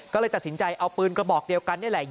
ก็เลยตัดสินใจเอาปืนกระบอกเดียวกันนี่แหละ